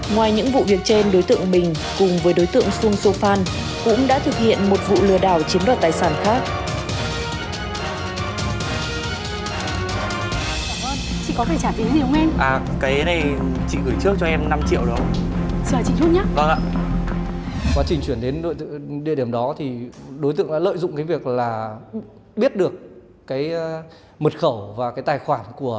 ngoài những vụ việc trên đối tượng bình cùng với đối tượng xuân sô phan cũng đã thực hiện một vụ lừa đảo chiếm đoạt tài sản khác